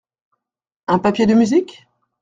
Un papier de musique ?